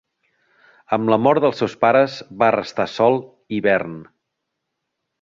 Amb la mort dels seus pares, va restar sol i vern.